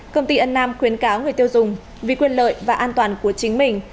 công ty ân nam khuyến cáo người tiêu dùng vì quyền lợi và an toàn của chính mình